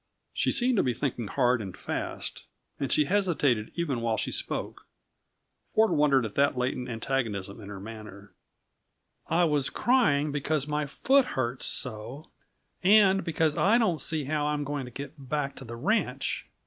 She seemed to be thinking hard and fast, and she hesitated even while she spoke. Ford wondered at the latent antagonism in her manner. "I was crying because my foot hurts so and because I don't see how I'm going to get back to the ranch.